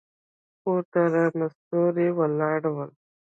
پورته راڼه ستوري ولاړ ول.